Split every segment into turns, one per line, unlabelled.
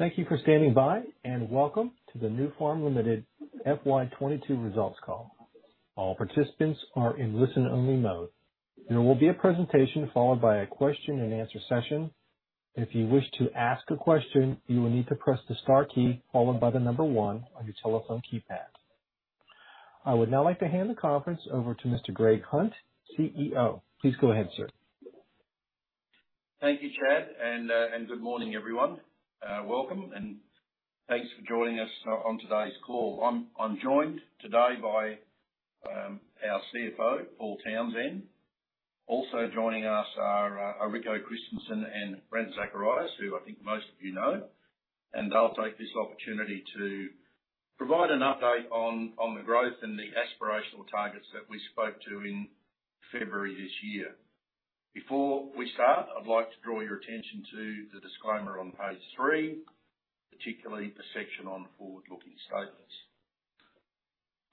Thank you for standing by, and welcome to the Nufarm Limited FY 2022 results call. All participants are in listen-only mode. There will be a presentation followed by a question-and-answer session. If you wish to ask a question, you will need to press the star key followed by the number one on your telephone keypad. I would now like to hand the conference over to Mr. Greg Hunt, CEO. Please go ahead, sir.
Thank you, Chad, and good morning, everyone. Welcome, and thanks for joining us on today's call. I'm joined today by our CFO, Paul Townsend. Also joining us are Rico Christensen and Brent Zacharias, who I think most of you know. I'll take this opportunity to provide an update on the growth and the aspirational targets that we spoke to in February this year. Before we start, I'd like to draw your attention to the disclaimer on page three, particularly the section on forward-looking statements.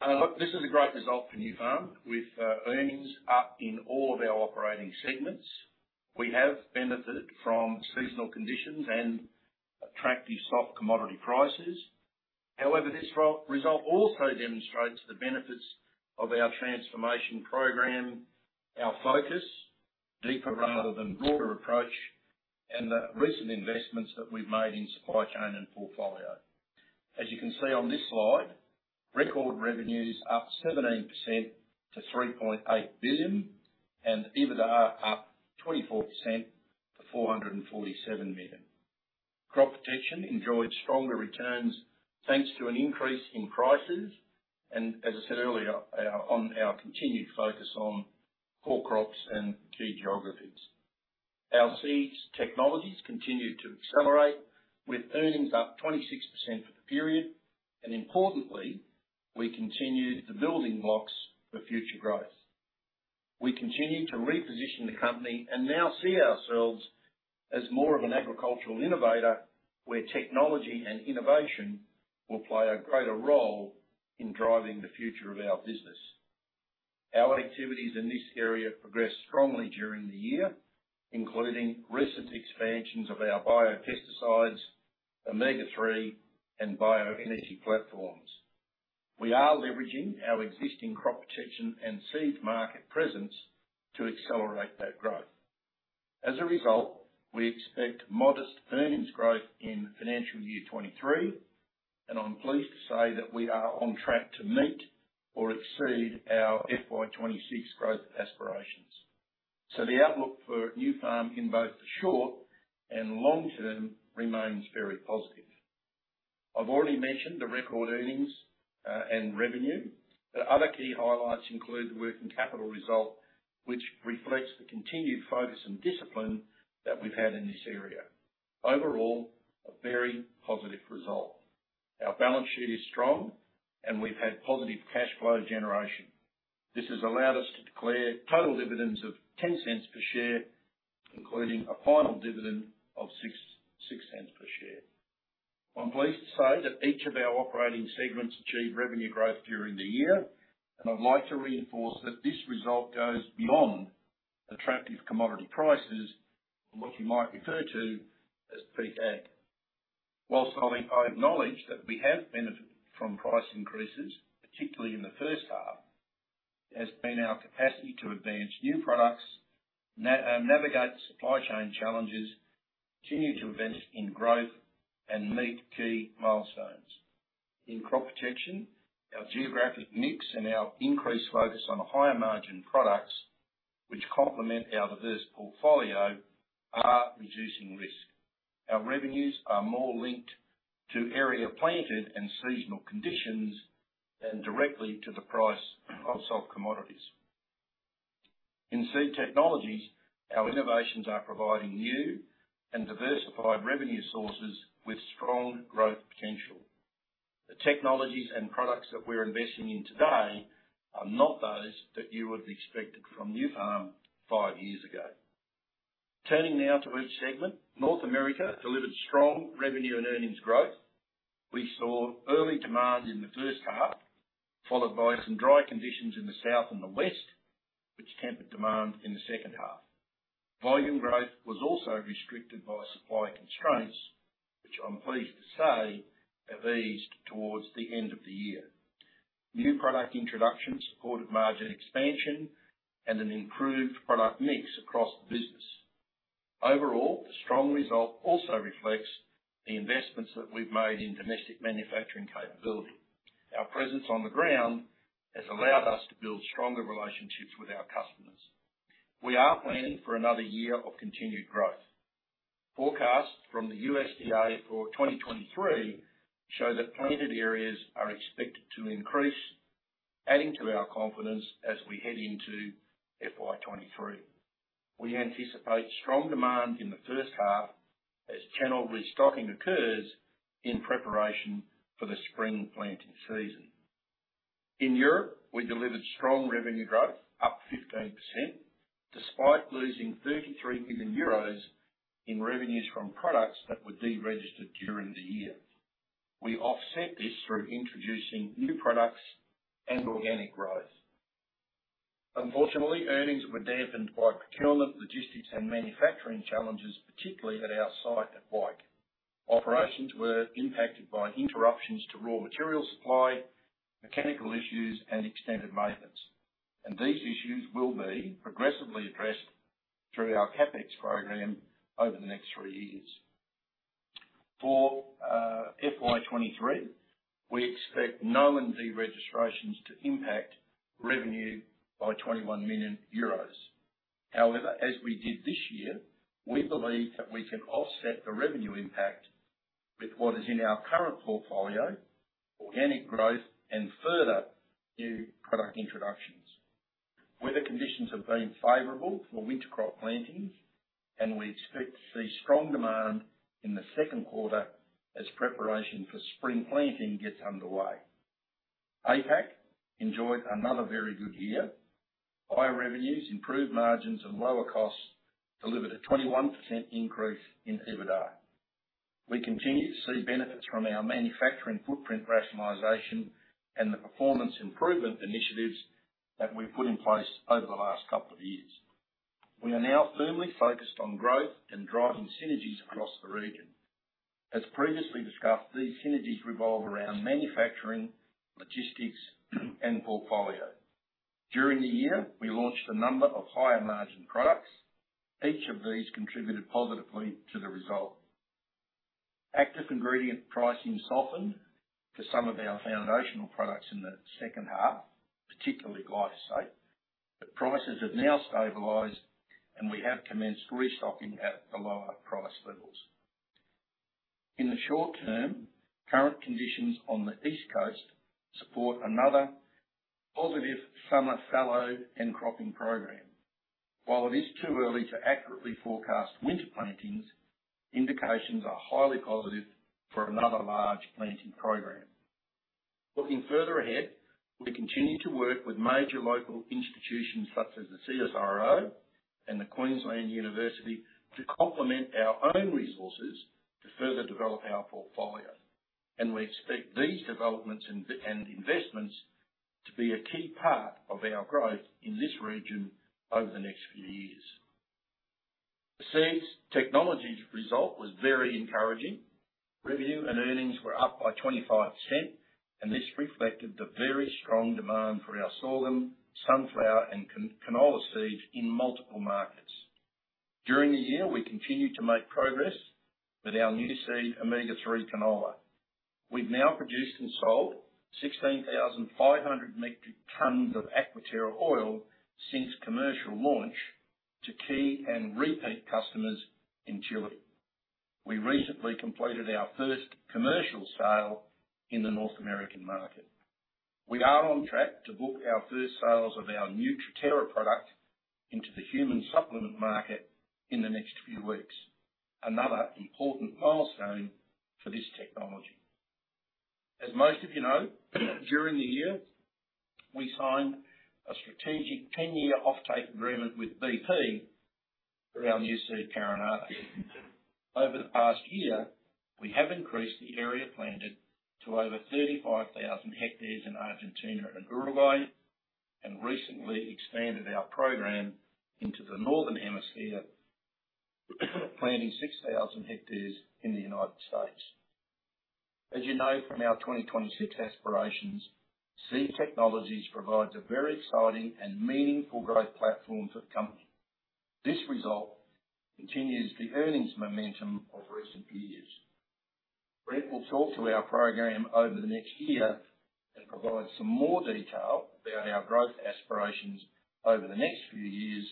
Look, this is a great result for Nufarm. With earnings up in all of our operating segments, we have benefited from seasonal conditions and attractive soft commodity prices. However, this result also demonstrates the benefits of our transformation program, our focus, deeper rather than broader approach, and the recent investments that we've made in supply chain and portfolio. As you can see on this slide, record revenue's up 17% to 3.8 billion and EBITDA up 24% to 447 million. Crop Protection enjoyed stronger returns thanks to an increase in prices, and as I said earlier, on our continued focus on core crops and key geographies. Our Seed Technologies continue to accelerate with earnings up 26% for the period. Importantly, we continue the building blocks for future growth. We continue to reposition the company and now see ourselves as more of an agricultural innovator, where technology and innovation will play a greater role in driving the future of our business. Our activities in this area progressed strongly during the year, including recent expansions of our biopesticides, Omega-3, and bioenergy platforms. We are leveraging our existing Crop Protection and seeds market presence to accelerate that growth. As a result, we expect modest earnings growth in financial year 2023, and I'm pleased to say that we are on track to meet or exceed our FY 2026 growth aspirations. The outlook for Nufarm in both the short and long term remains very positive. I've already mentioned the record earnings and revenue. The other key highlights include the working capital result, which reflects the continued focus and discipline that we've had in this area. Overall, a very positive result. Our balance sheet is strong, and we've had positive cash flow generation. This has allowed us to declare total dividends of 0.10 per share, including a final dividend of 0.066 per share. I'm pleased to say that each of our operating segments achieved revenue growth during the year, and I'd like to reinforce that this result goes beyond attractive commodity prices and what you might refer to as peak ag. While I acknowledge that we have benefited from price increases, particularly in the first half, it has been our capacity to advance new products, navigate supply chain challenges, continue to invest in growth, and meet key milestones. In Crop Protection, our geographic mix and our increased focus on higher margin products, which complement our diverse portfolio, are reducing risk. Our revenues are more linked to area planted and seasonal conditions than directly to the price of soft commodities. In Seed Technologies, our innovations are providing new and diversified revenue sources with strong growth potential. The technologies and products that we're investing in today are not those that you would have expected from Nufarm five years ago. Turning now to each segment. North America delivered strong revenue and earnings growth. We saw early demand in the first half, followed by some dry conditions in the south and the west, which tempered demand in the second half. Volume growth was also restricted by supply constraints, which I'm pleased to say have eased towards the end of the year. New product introductions supported margin expansion and an improved product mix across the business. Overall, the strong result also reflects the investments that we've made in domestic manufacturing capability. Our presence on the ground has allowed us to build stronger relationships with our customers. We are planning for another year of continued growth. Forecasts from the USDA for 2023 show that planted areas are expected to increase, adding to our confidence as we head into FY 2023. We anticipate strong demand in the first half as channel restocking occurs in preparation for the spring planting season. In Europe, we delivered strong revenue growth, up 15%, despite losing 33 million euros in revenues from products that were deregistered during the year. We offset this through introducing new products and organic growth. Unfortunately, earnings were dampened by procurement, logistics, and manufacturing challenges, particularly at our site at Wyke. Operations were impacted by interruptions to raw material supply, mechanical issues, and extended maintenance. These issues will be progressively addressed through our CapEx program over the next three years. For FY 2023, we expect older de-registrations to impact revenue by 21 million euros. However, as we did this year, we believe that we can offset the revenue impact with what is in our current portfolio, organic growth, and further new product introductions. Weather conditions have been favorable for winter crop plantings, and we expect to see strong demand in the second quarter as preparation for spring planting gets underway. APAC enjoyed another very good year. Higher revenues, improved margins, and lower costs delivered a 21% increase in EBITDA. We continue to see benefits from our manufacturing footprint rationalization and the performance improvement initiatives that we've put in place over the last couple of years. We are now firmly focused on growth and driving synergies across the region. As previously discussed, these synergies revolve around manufacturing, logistics, and portfolio. During the year, we launched a number of higher-margin products. Each of these contributed positively to the result. Active ingredient pricing softened for some of our foundational products in the second half, particularly glyphosate, but prices have now stabilized, and we have commenced restocking at the lower price levels. In the short term, current conditions on the East Coast support another positive summer fallow and cropping program. While it is too early to accurately forecast winter plantings, indications are highly positive for another large planting program. Looking further ahead, we continue to work with major local institutions such as the CSIRO and the University of Queensland to complement our own resources to further develop our portfolio, and we expect these developments and investments to be a key part of our growth in this region over the next few years. The Seed Technologies result was very encouraging. Revenue and earnings were up by 25%, and this reflected the very strong demand for our sorghum, sunflower, and canola seeds in multiple markets. During the year, we continued to make progress with our Nuseed Omega-3 canola. We've now produced and sold 16,500 metric tons of Aquaterra oil since commercial launch to key and repeat customers in Chile. We recently completed our first commercial sale in the North American market. We are on track to book our first sales of our Nutriterra product into the human supplement market in the next few weeks, another important milestone for this technology. As most of you know, during the year, we signed a strategic 10-year offtake agreement with BP for our Nuseed Carinata. Over the past year, we have increased the area planted to over 35,000 hectares in Argentina and Uruguay and recently expanded our program into the northern hemisphere, planting 6,000 hectares in the United States. As you know from our 2022 aspirations, seed technologies provides a very exciting and meaningful growth platform for the company. This result continues the earnings momentum of recent years. Brent will talk to our program over the next year and provide some more detail about our growth aspirations over the next few years,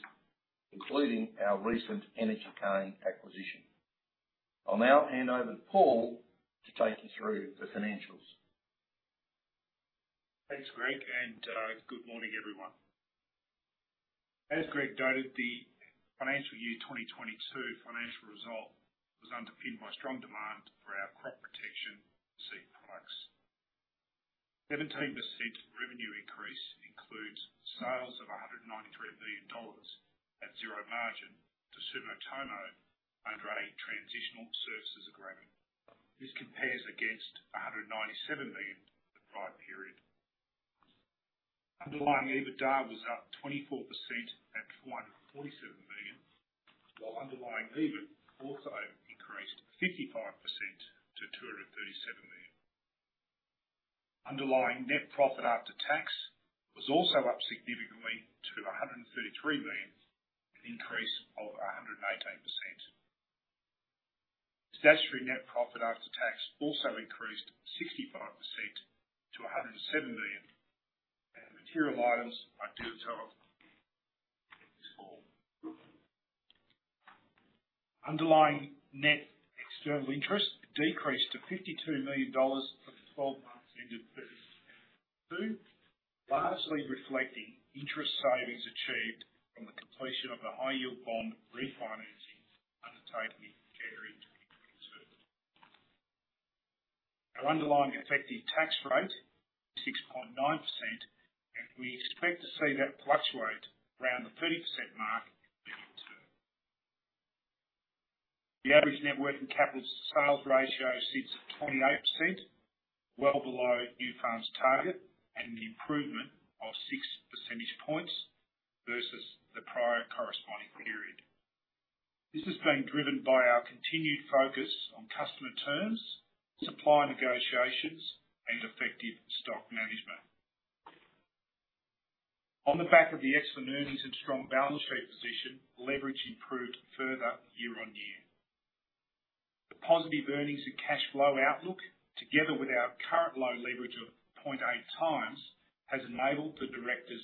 including our recent Energy Cane acquisition. I'll now hand over to Paul to take you through the financials.
Thanks, Greg, and good morning, everyone. As Greg noted, the financial year 2022 financial result was underpinned by strong demand for our crop protection seed products. 17% revenue increase includes sales of 193 million dollars at zero margin to Sumitomo under a transitional services agreement. This compares against 197 million the prior period. Underlying EBITDA was up 24% at 147 million, while underlying EBIT also increased 55% to 237 million. Underlying net profit after tax was also up significantly to 133 million, an increase of 118%. Statutory net profit after tax also increased 65% to 107 million. Material items are detailed on page four. Underlying net external interest decreased to 52 million dollars for the 12 months ending 31 2022, largely reflecting interest savings achieved from the completion of the high yield bond refinancing undertaken in January 2022. Our underlying effective tax rate, 6.9%, and we expect to see that fluctuate around the 30% mark. The average net working capital sales ratio sits at 28%, well below Nufarm's target and an improvement of six percentage points versus the prior corresponding period. This has been driven by our continued focus on customer terms, supplier negotiations, and effective stock management. On the back of the excellent earnings and strong balance sheet position, leverage improved further year-on-year. The positive earnings and cash flow outlook, together with our current low leverage of 0.8x, has enabled the directors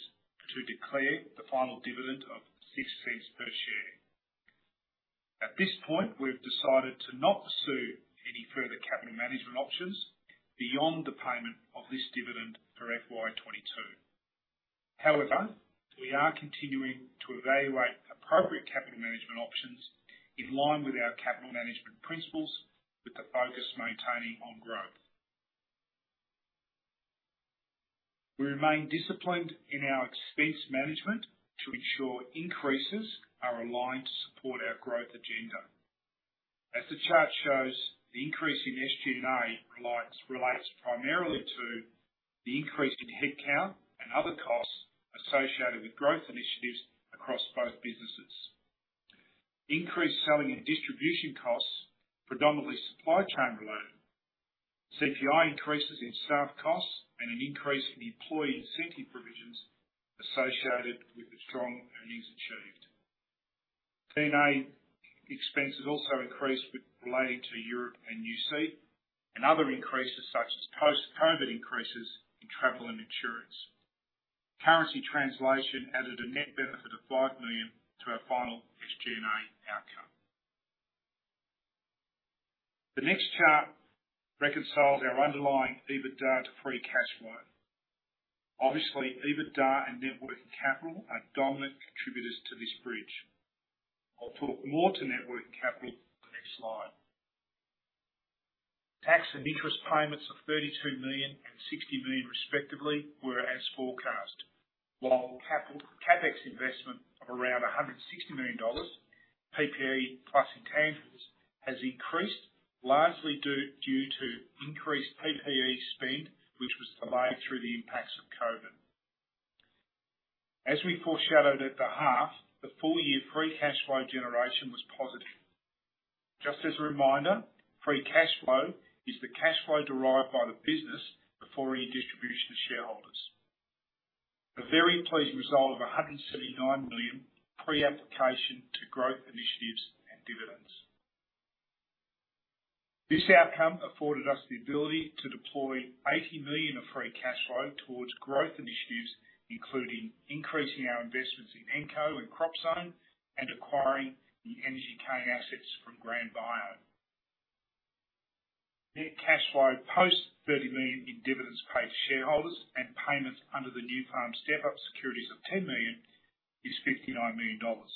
to declare the final dividend of 0.06 per share. At this point, we've decided to not pursue any further capital management options beyond the payment of this dividend for FY 2022. However, we are continuing to evaluate appropriate capital management options in line with our capital management principles with the focus maintaining on growth. We remain disciplined in our expense management to ensure increases are aligned to support our growth agenda. As the chart shows, the increase in SG&A relates primarily to the increase in headcount and other costs associated with growth initiatives across both businesses. Increased selling and distribution costs, predominantly supply chain related, CPI increases in staff costs, and an increase in employee incentive provisions associated with the strong earnings achieved. G&A expenses also increased related to Europe and Nuseed and other increases such as post-COVID increases in travel and insurance. Currency translation added a net benefit of 5 million to our final SG&A outcome. The next chart reconciles our underlying EBITDA to free cash flow. Obviously, EBITDA and net working capital are dominant contributors to this bridge. I'll talk more to net working capital in the next slide. Tax and interest payments of 32 million and 60 million respectively were as forecast. While capital CapEx investment of around 160 million dollars, PPE plus intangibles, has increased largely due to increased PPE spend which was delayed through the impacts of COVID. As we foreshadowed at the half, the full year free cash flow generation was positive. Just as a reminder, free cash flow is the cash flow derived by the business before any distribution to shareholders. A very pleasing result of 179 million pre-application to growth initiatives and dividends. This outcome afforded us the ability to deploy 80 million of free cash flow towards growth initiatives, including increasing our investments in Enko and CROP.ZONE, and acquiring the energy cane assets from GranBio. Net cash flow post 30 million in dividends paid to shareholders and payments under the Nufarm step-up securities of 10 million is 59 million dollars,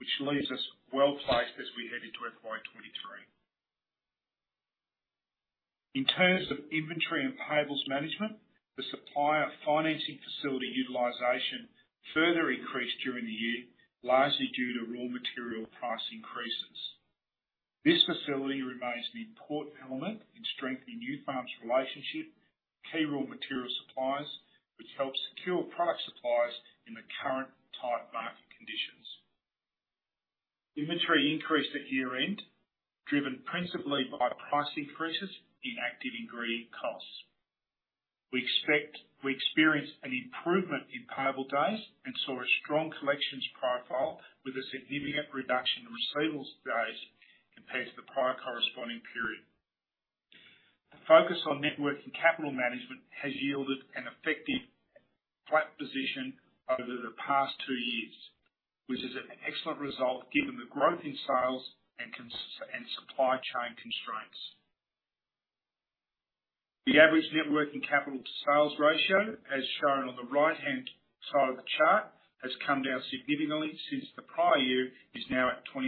which leaves us well-placed as we head into FY 2023. In terms of inventory and payables management, the supplier financing facility utilization further increased during the year, largely due to raw material price increases. This facility remains an important element in strengthening Nufarm's relationship with key raw material suppliers, which helps secure product supplies in the current tight market conditions. Inventory increased at year-end, driven principally by price increases in active ingredient costs. We experienced an improvement in payable days and saw a strong collections profile with a significant reduction in receivables days compared to the prior corresponding period. The focus on net working capital management has yielded an effective flat position over the past two years, which is an excellent result given the growth in sales and supply chain constraints. The average net working capital to sales ratio, as shown on the right-hand side of the chart, has come down significantly since the prior year, is now at 28%,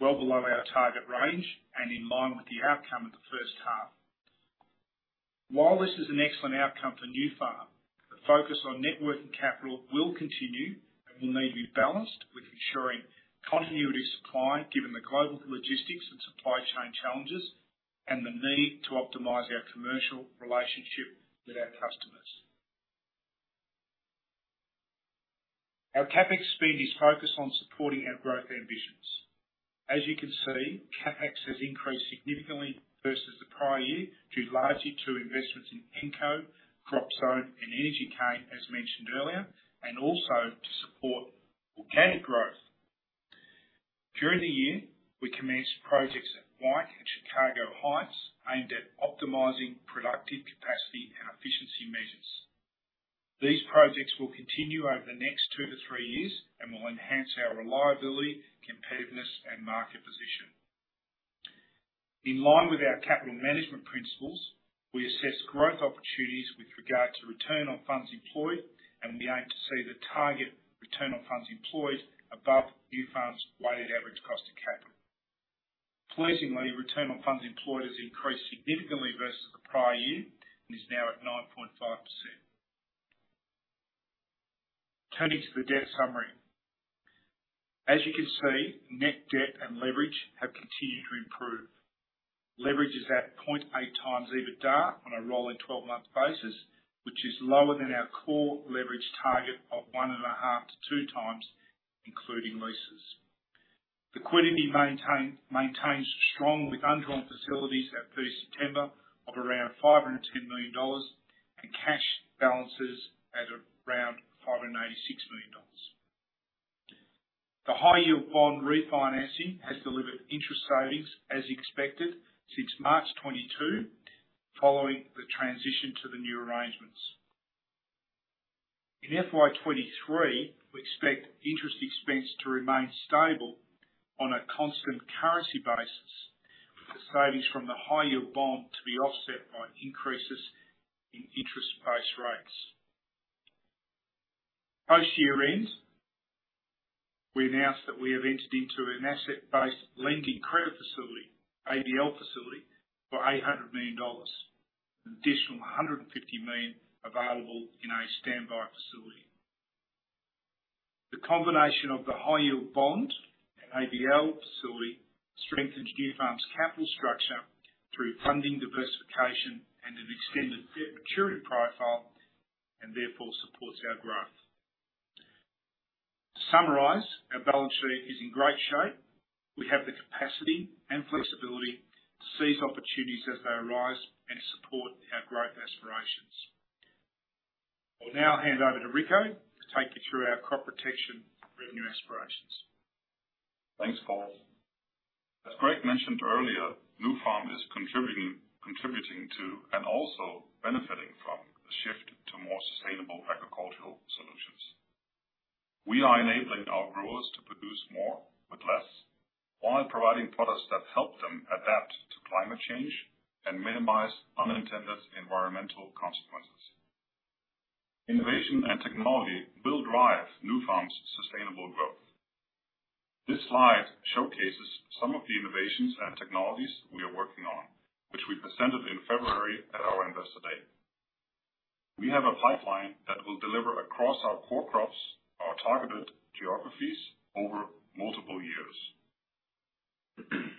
well below our target range and in line with the outcome of the first half. While this is an excellent outcome for Nufarm, the focus on net working capital will continue and will need to be balanced with ensuring continuity of supply given the global logistics and supply chain challenges and the need to optimize our commercial relationship with our customers. Our CapEx spend is focused on supporting our growth ambitions. As you can see, CapEx has increased significantly versus the prior year due largely to investments in Enko, Crop.zone, and energy cane as mentioned earlier, and also to support organic growth. During the year, we commenced projects at Wyke and Chicago Heights aimed at optimizing productive capacity and efficiency measures. These projects will continue over the next two to three years and will enhance our reliability, competitiveness, and market position. In line with our capital management principles, we assess growth opportunities with regard to return on funds employed, and we aim to see the target return on funds employed above Nufarm's weighted average cost of capital. Pleasingly, return on funds employed has increased significantly versus the prior year and is now at 9.5%. Turning to the debt summary. As you can see, net debt and leverage have continued to improve. Leverage is at 0.8x EBITDA on a rolling twelve-month basis, which is lower than our core leverage target of 1.5x-2x including leases. Liquidity maintains strong with undrawn facilities at 30 September of around 510 million dollars and cash balances at around 586 million dollars. The high yield bond refinancing has delivered interest savings as expected since March 2022 following the transition to the new arrangements. In FY 2023, we expect interest expense to remain stable on a constant currency basis, with the savings from the high yield bond to be offset by increases in interest base rates. Post year-end, we announced that we have entered into an asset-based lending credit facility, ABL facility for $800 million. An additional $150 million available in a standby facility. The combination of the high yield bond and ABL facility strengthens Nufarm's capital structure through funding diversification and an extended debt maturity profile, and therefore supports our growth. To summarize, our balance sheet is in great shape. We have the capacity and flexibility to seize opportunities as they arise and support our growth aspirations. I'll now hand over to Rico to take you through our Crop Protection revenue aspirations.
Thanks, Paul. As Greg mentioned earlier, Nufarm is contributing to and also benefiting from the shift to more sustainable agricultural solutions. We are enabling our growers to produce more with less, while providing products that help them adapt to climate change and minimize unintended environmental consequences. Innovation and technology will drive Nufarm's sustainable growth. This slide showcases some of the innovations and technologies we are working on, which we presented in February at our Investor Day. We have a pipeline that will deliver across our core crops, our targeted geographies over multiple years.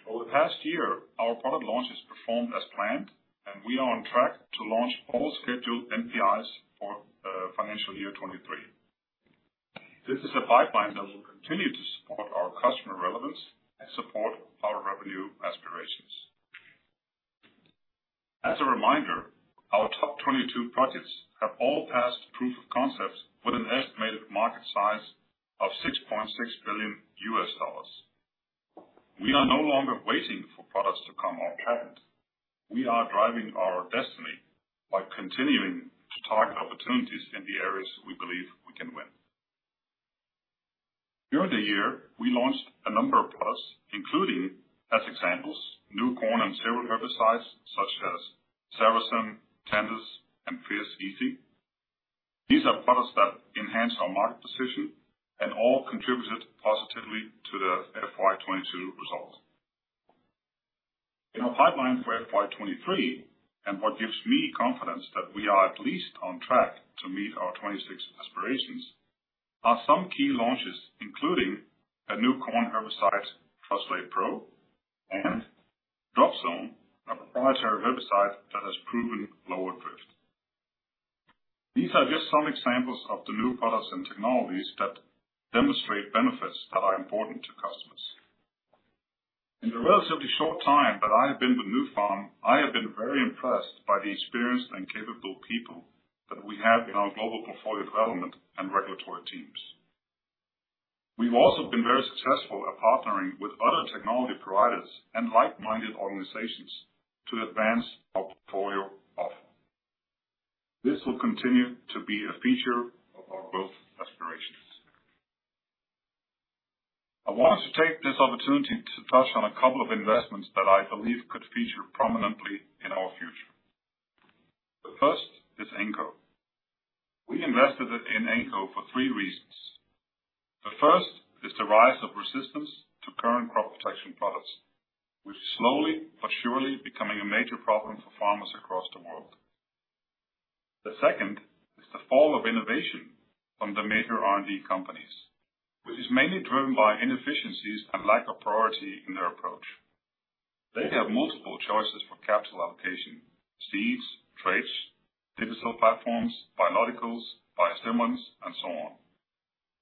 Over the past year, our product launches performed as planned, and we are on track to launch all scheduled NPIs for financial year 2023. This is a pipeline that will continue to support our customer relevance and support our revenue aspirations. As a reminder, our top 22 projects have all passed proof of concepts with an estimated market size of $6.6 billion. We are no longer waiting for products to come off patent. We are driving our destiny by continuing to target opportunities in the areas we believe we can win. During the year, we launched a number of products, including, as examples, new corn and cereal herbicides such as [Serason], Tendus, and Fierce EZ. These are products that enhance our market position and all contributed positively to the FY 2022 results. In our pipeline for FY 2023, and what gives me confidence that we are at least on track to meet our 2026 aspirations, are some key launches, including a new corn herbicide, FirstRate Pro and DROPZONE, a proprietary herbicide that has proven lower drift. These are just some examples of the new products and technologies that demonstrate benefits that are important to customers. In the relatively short time that I have been with Nufarm, I have been very impressed by the experienced and capable people that we have in our global portfolio development and regulatory teams. We've also been very successful at partnering with other technology providers and like-minded organizations to advance our portfolio offer. This will continue to be a feature of our growth aspirations. I wanted to take this opportunity to touch on a couple of investments that I believe could feature prominently in our future. The first is Enko. We invested in Enko for three reasons. The first is the rise of resistance to current crop protection products, which is slowly but surely becoming a major problem for farmers across the world. The second is the fall of innovation from the major R&D companies, which is mainly driven by inefficiencies and lack of priority in their approach. They have multiple choices for capital allocation, seeds, traits, digital platforms, biologics, biostimulants, and so on,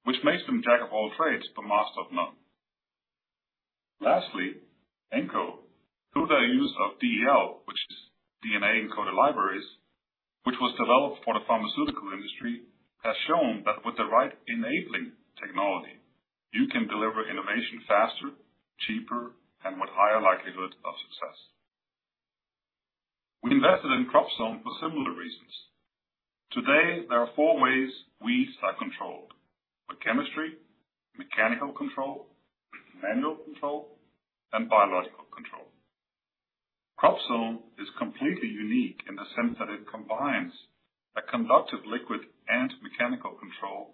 which makes them jack of all trades, but master of none. Lastly, Enko, through their use of DEL, which is DNA-encoded libraries, which was developed for the pharmaceutical industry, has shown that with the right enabling technology, you can deliver innovation faster, cheaper, and with higher likelihood of success. We invested in CROP.ZONE for similar reasons. Today, there are four ways weeds are controlled, with chemistry, mechanical control, manual control, and biological control. CROP.ZONE is completely unique in the sense that it combines a conductive liquid and mechanical control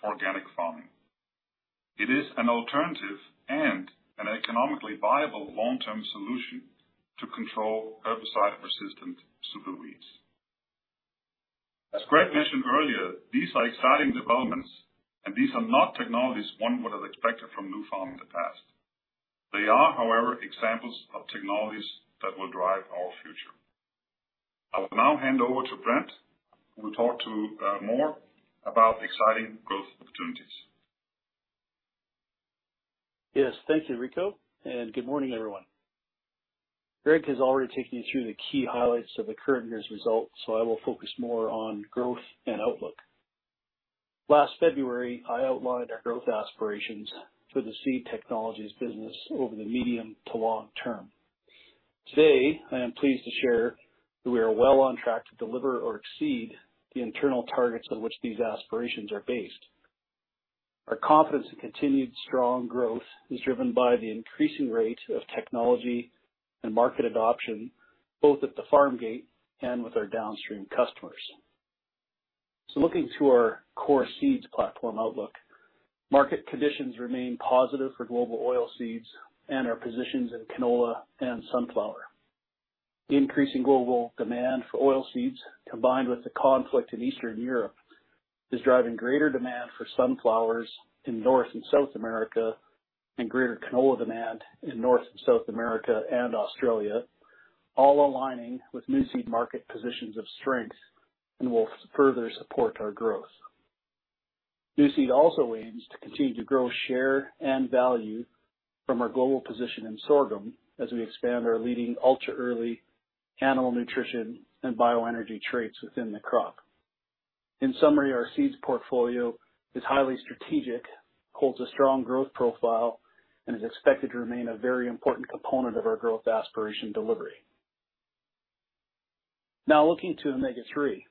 for organic farming. It is an alternative and an economically viable long-term solution to control herbicide-persistent superweeds. As Greg mentioned earlier, these are exciting developments, and these are not technologies one would have expected from Nufarm in the past. They are, however, examples of technologies that will drive our future. I will now hand over to Brent, who will talk more about the exciting growth opportunities.
Yes. Thank you, Rico, and good morning, everyone. Greg has already taken you through the key highlights of the current year's results, so I will focus more on growth and outlook. Last February, I outlined our growth aspirations for the Seed Technologies business over the medium to long term. Today, I am pleased to share that we are well on track to deliver or exceed the internal targets on which these aspirations are based. Our confidence in continued strong growth is driven by the increasing rate of technology and market adoption, both at the farm gate and with our downstream customers. Looking to our core seeds platform outlook, market conditions remain positive for global oilseeds and our positions in canola and sunflower. Increasing global demand for oilseeds, combined with the conflict in Eastern Europe, is driving greater demand for sunflowers in North and South America, and greater canola demand in North and South America and Australia, all aligning with Nuseed market positions of strength and will further support our growth. Nuseed also aims to continue to grow share and value from our global position in sorghum as we expand our leading ultra-early animal nutrition and bioenergy traits within the crop. In summary, our seeds portfolio is highly strategic, holds a strong growth profile, and is expected to remain a very important component of our growth aspiration delivery. Now, looking to omega-3.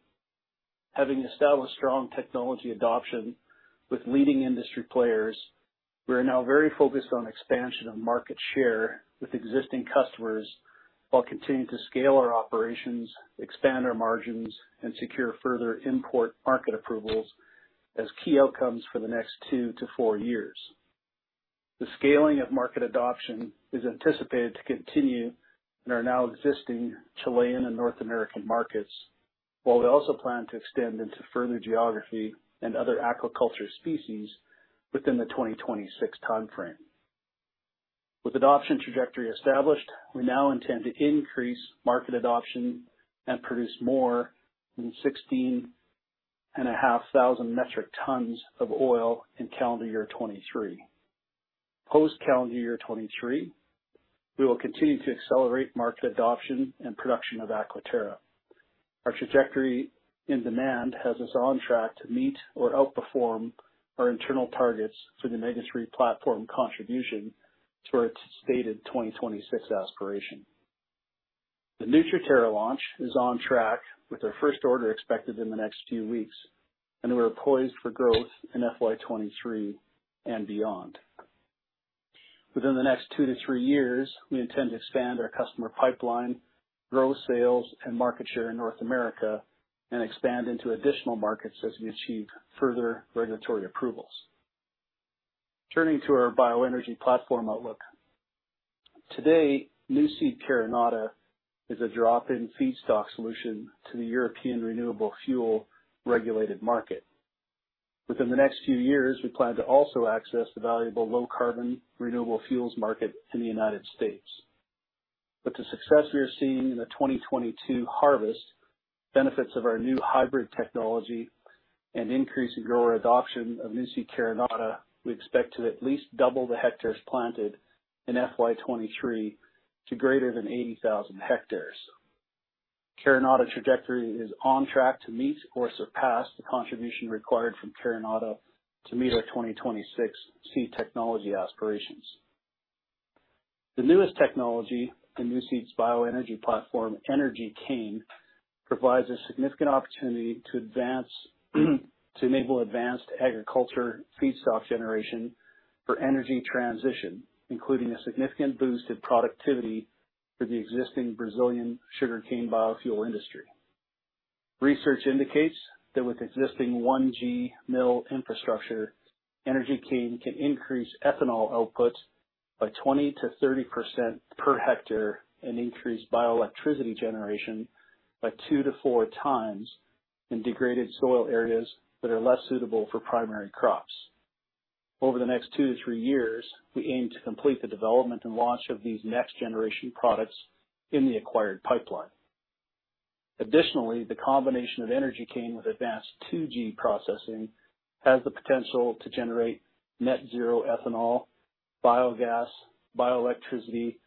Having established strong technology adoption with leading industry players, we are now very focused on expansion of market share with existing customers while continuing to scale our operations, expand our margins, and secure further import market approvals as key outcomes for the next 2-4 years. The scaling of market adoption is anticipated to continue in our now existing Chilean and North American markets, while we also plan to extend into further geography and other aquaculture species within the 2026 timeframe. With adoption trajectory established, we now intend to increase market adoption and produce more than 16,500 metric tons of oil in calendar year 2023. Post calendar year 2023, we will continue to accelerate market adoption and production of Aquaterra. Our trajectory and demand has us on track to meet or outperform our internal targets for the omega-3 platform contribution to our stated 2026 aspiration. The Nutriterra launch is on track with our first order expected in the next few weeks, and we're poised for growth in FY 2023 and beyond. Within the next 2-3 years, we intend to expand our customer pipeline, grow sales and market share in North America, and expand into additional markets as we achieve further regulatory approvals. Turning to our bioenergy platform outlook. Today, Nuseed Carinata is a drop-in feedstock solution to the European renewable fuel regulated market. Within the next few years, we plan to also access the valuable low-carbon renewable fuels market in the United States. With the success we are seeing in the 2022 harvest, benefits of our new hybrid technology and increase in grower adoption of Nuseed Carinata, we expect to at least double the hectares planted in FY 2023 to greater than 80,000 hectares. Carinata trajectory is on track to meet or surpass the contribution required from Carinata to meet our 2026 seed technology aspirations. The newest technology in Nuseed's bioenergy platform, Energy Cane, provides a significant opportunity to enable advanced agriculture feedstock generation for energy transition, including a significant boost in productivity for the existing Brazilian sugarcane biofuel industry. Research indicates that with existing 1G mill infrastructure, Energy Cane can increase ethanol output by 20%-30% per hectare and increase bioelectricity generation by 2-4 times in degraded soil areas that are less suitable for primary crops. Over the next two to three years, we aim to complete the development and launch of these next-generation products in the acquired pipeline. Additionally, the combination of Energy Cane with advanced 2G processing has the potential to generate net zero ethanol, biogas, bioelectricity,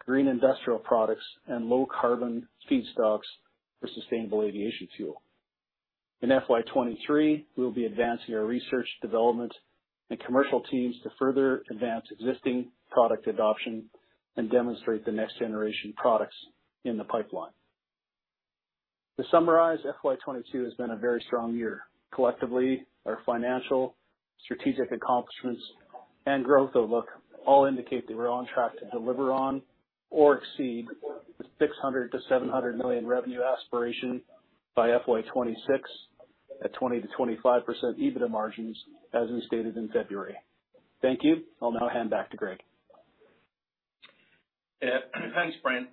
green industrial products, and low-carbon feedstocks for sustainable aviation fuel. In FY 2023, we'll be advancing our research development and commercial teams to further advance existing product adoption and demonstrate the next-generation products in the pipeline. To summarize, FY 2022 has been a very strong year. Collectively, our financial strategic accomplishments and growth outlook all indicate that we're on track to deliver on or exceed the 600 million-700 million revenue aspiration by FY 2026 at 20%-25% EBITDA margins as was stated in February. Thank you. I'll now hand back to Greg.
Yeah. Thanks, Brent,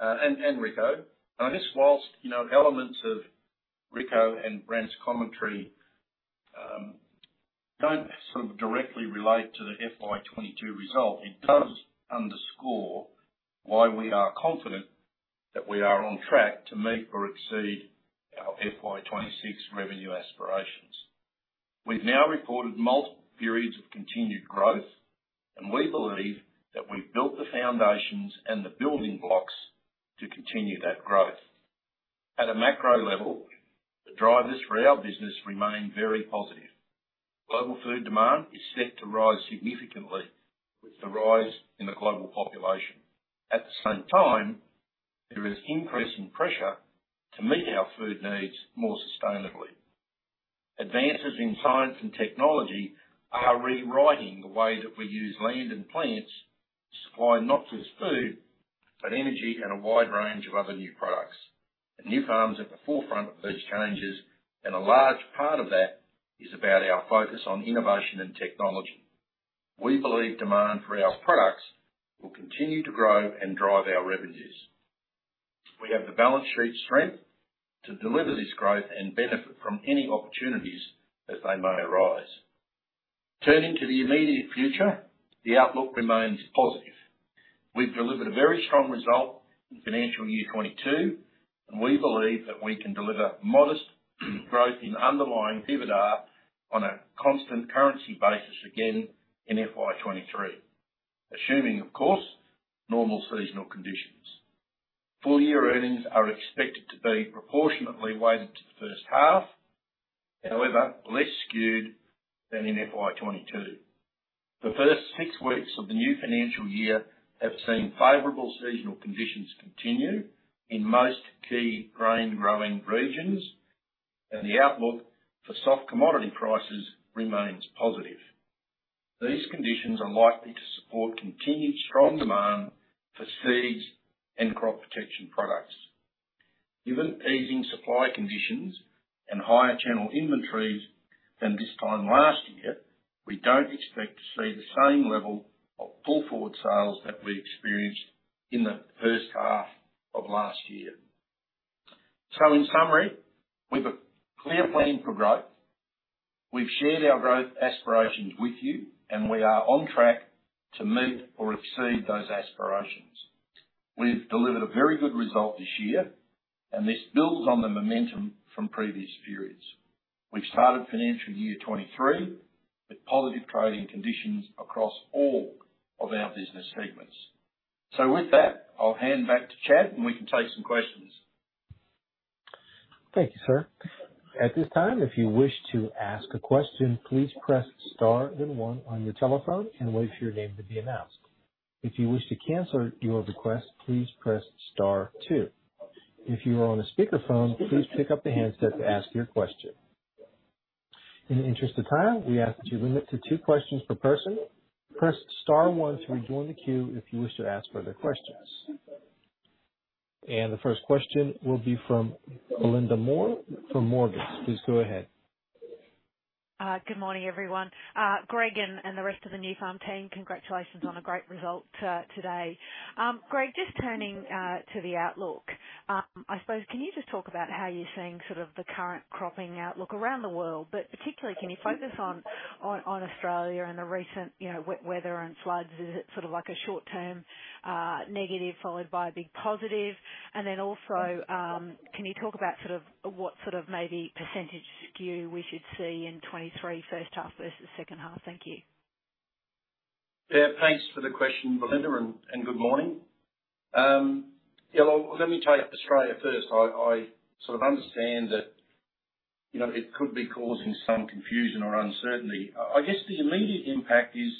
and Rico. Now, I guess while, you know, elements of Rico and Brent's commentary don't sort of directly relate to the FY 2022 result, it does underscore why we are confident that we are on track to meet or exceed our FY 2026 revenue aspirations. We've now reported multiple periods of continued growth, and we believe that we've built the foundations and the building blocks to continue that growth. At a macro level, the drivers for our business remain very positive. Global food demand is set to rise significantly with the rise in the global population. At the same time, there is increasing pressure to meet our food needs more sustainably. Advances in science and technology are rewriting the way that we use land and plants to supply not just food, but energy and a wide range of other new products. Nufarm's at the forefront of these changes, and a large part of that is about our focus on innovation and technology. We believe demand for our products will continue to grow and drive our revenues. We have the balance sheet strength to deliver this growth and benefit from any opportunities as they may arise. Turning to the immediate future, the outlook remains positive. We've delivered a very strong result in financial year 2022, and we believe that we can deliver modest growth in underlying EBITDA on a constant currency basis again in FY 2023, assuming of course, normal seasonal conditions. Full year earnings are expected to be proportionately weighted to the first half, however, less skewed than in FY 2022. The first six weeks of the new financial year have seen favorable seasonal conditions continue in most key grain growing regions, and the outlook for soft commodity prices remains positive. These conditions are likely to support continued strong demand for seeds and crop protection products. Given easing supply conditions and higher channel inventories than this time last year, we don't expect to see the same level of full forward sales that we experienced in the first half of last year. In summary, we've a clear plan for growth. We've shared our growth aspirations with you, and we are on track to meet or exceed those aspirations. We've delivered a very good result this year, and this builds on the momentum from previous periods. We've started financial year 2023 with positive trading conditions across all of our business segments. With that, I'll hand back to Chad, and we can take some questions.
Thank you, sir. At this time, if you wish to ask a question, please press star then one on your telephone and wait for your name to be announced. If you wish to cancel your request, please press star two. If you are on a speakerphone, please pick up the handset to ask your question. In the interest of time, we ask that you limit to two questions per person. Press star one to rejoin the queue if you wish to ask further questions. The first question will be from Belinda Moore from Morgans. Please go ahead.
Good morning, everyone. Greg and the rest of the Nufarm team, congratulations on a great result today. Greg, just turning to the outlook, I suppose, can you just talk about how you're seeing sort of the current cropping outlook around the world, but particularly can you focus on Australia and the recent, you know, wet weather and floods? Is it sort of like a short-term negative followed by a big positive? Can you talk about sort of what sort of maybe percentage skew we should see in 2023 first half versus second half? Thank you.
Yeah. Thanks for the question, Belinda, and good morning. Yeah, well, let me take Australia first. I sort of understand that, you know, it could be causing some confusion or uncertainty. I guess the immediate impact is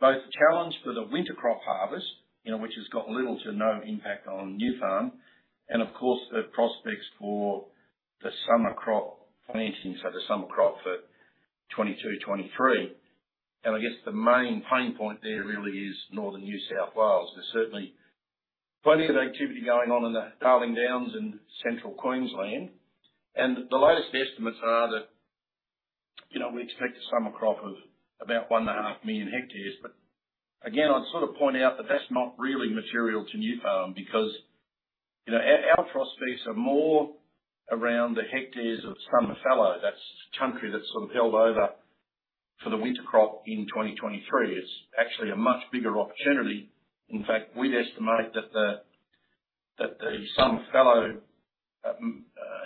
both a challenge for the winter crop harvest, you know, which has got little to no impact on Nufarm, and of course, the prospects for the summer crop planting, so the summer crop for 2022-2023. I guess the main pain point there really is northern New South Wales. There's certainly plenty of activity going on in the Darling Downs and Central Queensland. The latest estimates are that, you know, we expect a summer crop of about 1.5 million hectares. Again, I'd sort of point out that that's not really material to Nufarm because, you know, our prospects are more around the hectares of summer fallow. That's country that's sort of held over for the winter crop in 2023. It's actually a much bigger opportunity. In fact, we'd estimate that the summer fallow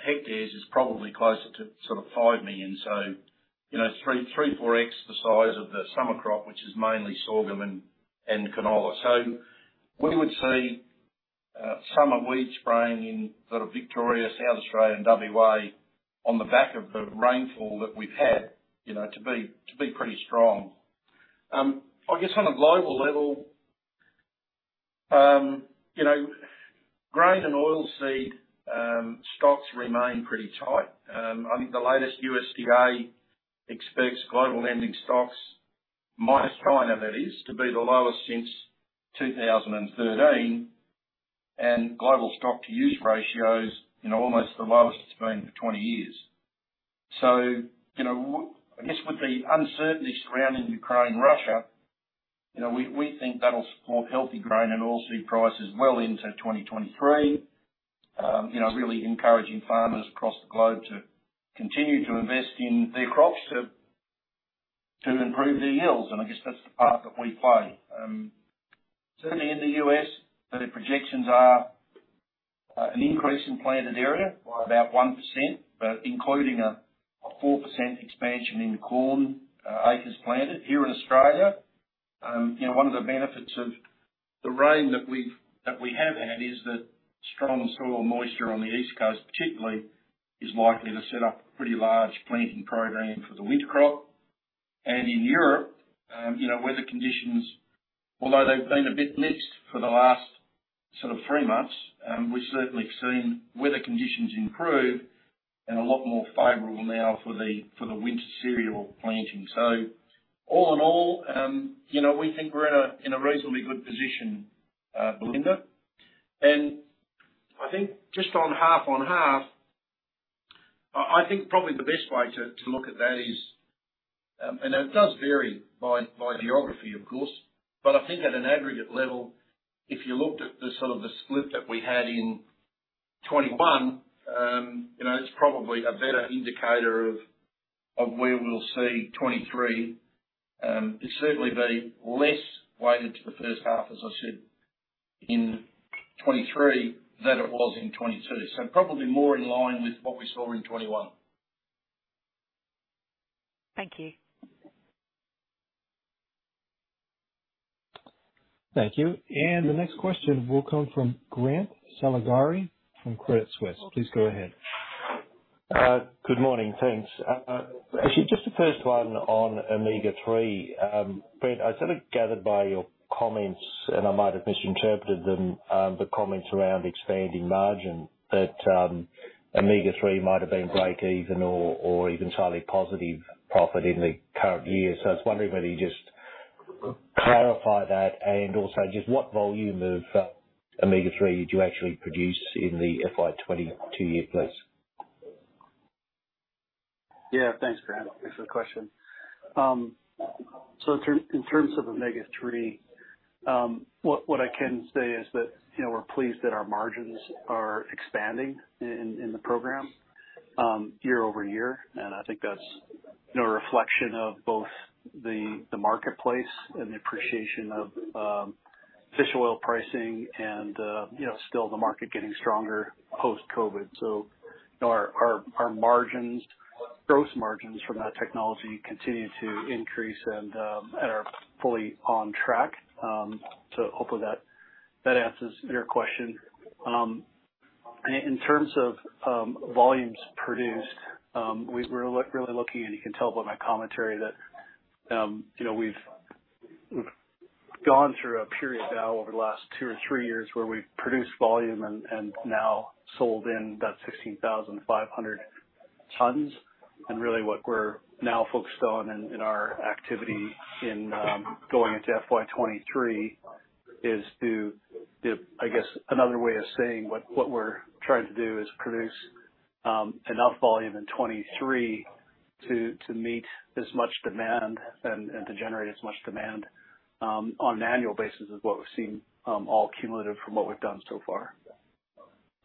hectares is probably closer to sort of 5 million. So, you know, 3x-4x the size of the summer crop, which is mainly sorghum and canola. So we would see summer weed spraying in sort of Victoria, South Australia, and WA on the back of the rainfall that we've had, you know, to be pretty strong. I guess on a global level, you know, grain and oilseed stocks remain pretty tight. I think the latest USDA expects global ending stocks, minus China that is, to be the lowest since 2013. Global stock to use ratios, you know, almost the lowest it's been for 20 years. I guess with the uncertainty surrounding Ukraine, Russia, you know, we think that'll support healthy grain and oilseed prices well into 2023. You know, really encouraging farmers across the globe to continue to invest in their crops to improve their yields. I guess that's the part that we play. Certainly in the U.S., the projections are an increase in planted area by about 1%, but including a 4% expansion in corn acres planted. Here in Australia, you know, one of the benefits of the rain that we have had is that strong soil moisture on the East Coast particularly is likely to set up a pretty large planting program for the winter crop. In Europe, you know, weather conditions, although they've been a bit mixed for the last sort of three months, we've certainly seen weather conditions improve and a lot more favorable now for the winter cereal planting. All in all, you know, we think we're in a reasonably good position, Belinda. I think just on half, I think probably the best way to look at that is. It does vary by geography, of course, but I think at an aggregate level, if you looked at the sort of the split that we had in 2021, you know, it's probably a better indicator of where we'll see 2023. It'll certainly be less weighted to the first half, as I said, in 2023 than it was in 2022. Probably more in line with what we saw in 2021.
Thank you.
Thank you. The next question will come from Grant Saligari from Credit Suisse. Please go ahead.
Good morning. Thanks. Actually, just the first one on Omega-3. Brent, I sort of gathered by your comments, and I might have misinterpreted them, the comments around expanding margin, that Omega-3 might have been breakeven or even slightly positive profit in the current year. I was wondering whether you could just clarify that. Also, just what volume of Omega-3 do you actually produce in the FY 2022 year, please?
Yeah. Thanks, Grant. Thanks for the question. In terms of Omega-3, what I can say is that, you know, we're pleased that our margins are expanding in the program year-over-year. I think that's, you know, a reflection of both the marketplace and the appreciation of fish oil pricing and, you know, still the market getting stronger post-COVID. You know, our margins, gross margins from that technology continue to increase and are fully on track. Hopefully that answers your question. In terms of volumes produced, we're really looking, and you can tell by my commentary that, you know, we've gone through a period now over the last two or three years where we've produced volume and now sold in that 16,500 tons. Really what we're now focused on in our activity in going into FY 2023 is. The, I guess, another way of saying what we're trying to do is produce enough volume in 2023 to meet as much demand and to generate as much demand on an annual basis as what we've seen all cumulative from what we've done so far.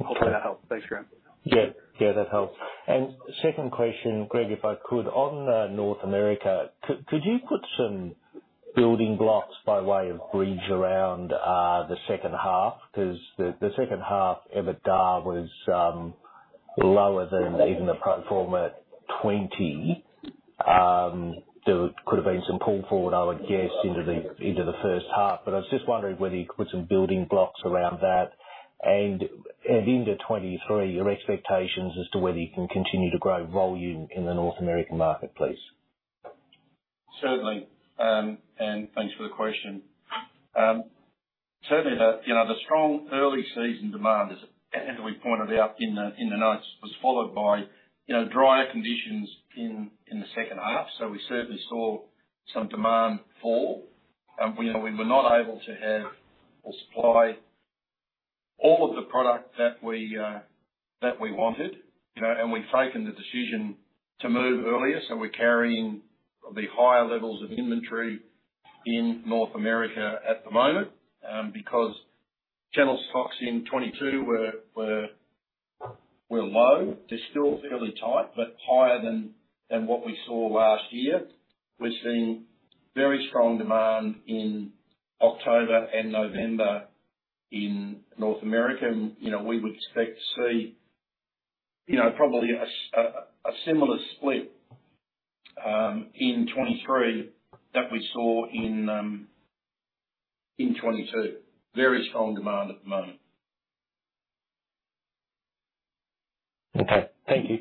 Hopefully that helps. Thanks, Grant.
Yeah, that helps. Second question, Greg, if I could on North America. Could you put some building blocks by way of bridge around the second half? Because the second half EBITDA was lower than even the pro forma 2020. There could have been some pull forward, I would guess, into the first half. I was just wondering whether you could put some building blocks around that. Into 2023, your expectations as to whether you can continue to grow volume in the North American marketplace.
Certainly. Thanks for the question. Certainly the you know the strong early season demand, as we pointed out in the notes, was followed by you know drier conditions in the second half. We certainly saw some demand fall. We you know we were not able to have or supply all of the product that we that we wanted you know and we've taken the decision to move earlier, so we're carrying the higher levels of inventory in North America at the moment because channel stocks in 2022 were low. They're still fairly tight, but higher than what we saw last year. We're seeing very strong demand in October and November in North America.You know, we would expect to see, you know, probably a similar split in 2023 that we saw in 2022. Very strong demand at the moment. Thank you.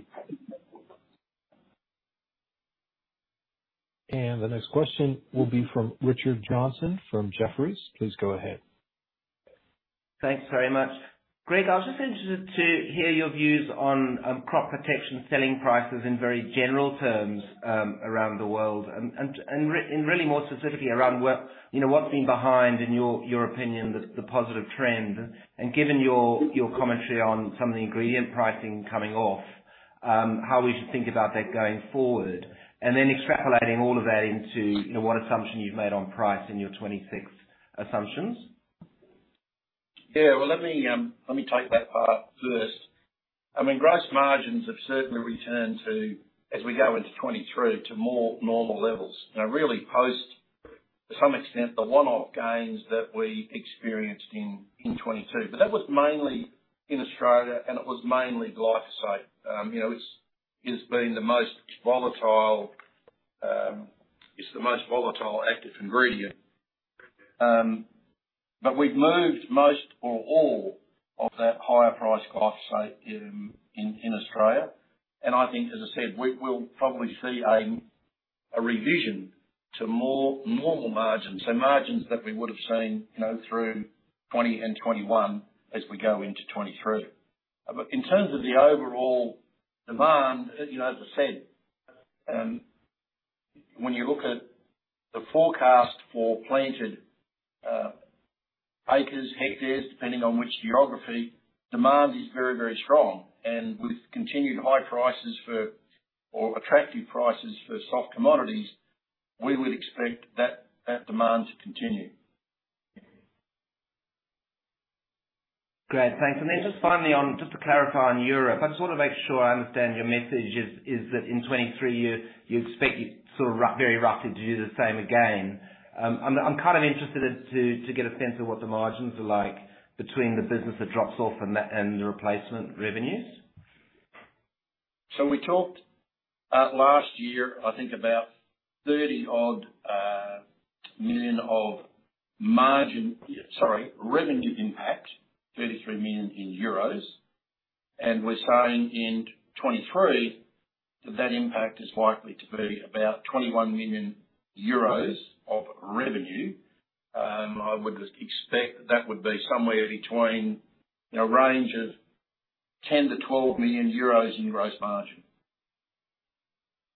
The next question will be from Richard Johnson from Jefferies. Please go ahead.
Thanks very much. Greg, I was just interested to hear your views on crop protection selling prices in very general terms around the world and really more specifically around what, you know, what's been behind, in your opinion, the positive trends? Given your commentary on some of the ingredient pricing coming off, how we should think about that going forward? Then extrapolating all of that into, you know, what assumption you've made on price in your 2026 assumptions.
Yeah. Well, let me take that part first. I mean, gross margins have certainly returned to, as we go into 2023, to more normal levels. You know, really post, to some extent, the one-off gains that we experienced in 2022. But that was mainly in Australia, and it was mainly glyphosate. You know, it's been the most volatile. It's the most volatile active ingredient. But we've moved most or all of that higher priced glyphosate in Australia. And I think, as I said, we will probably see a revision to more normal margins. So margins that we would've seen, you know, through 2020 and 2021 as we go into 2023. In terms of the overall demand, you know, as I said, when you look at the forecast for planted acres, hectares, depending on which geography, demand is very, very strong. With continued high prices for, or attractive prices for soft commodities, we would expect that demand to continue.
Great. Thanks. Just finally on, just to clarify on Europe, I just wanna make sure I understand your message is that in 2023 you expect it very roughly to do the same again. I'm kind of interested to get a sense of what the margins are like between the business that drops off and the replacement revenues.
We talked last year, I think about 30-odd million revenue impact, 33 million euros. We're saying in 2023, that impact is likely to be about 21 million euros of revenue. I would expect that would be somewhere between a range of 10-12 million euros in gross margin.